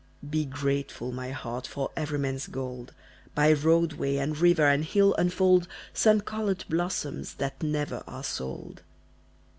Be grateful, my heart, for everyman's gold; By road way and river and hill unfold Sun coloured blossoms that never are sold.